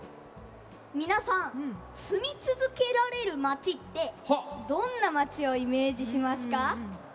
皆さん「住み続けられるまち」ってどんなまちをイメージしますか？